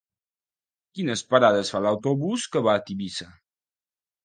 Quines parades fa l'autobús que va a Tivissa?